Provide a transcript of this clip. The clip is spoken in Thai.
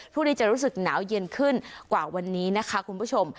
พรุ่งนี้จะรู้สึกหนาวเย็นขึ้นกว่าวันนี้นะคะคุณผู้ชม